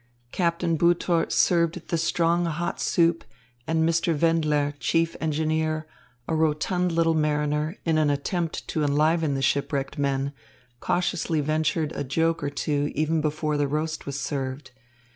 Captain Butor served the strong hot soup, and Mr. Wendler, chief engineer, a rotund little mariner, in an attempt to enliven the shipwrecked men, cautiously ventured a joke or two even before the roast was served.